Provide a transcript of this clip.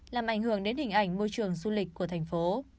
làm ảnh hưởng đến hình ảnh môi trường du lịch của thành phố